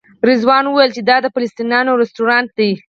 رضوان وویل چې دا د فلسطینیانو رسټورانټ دی.